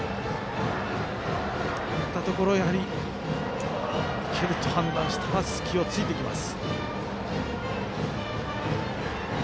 こういったところいけると判断したら隙を突いてきます。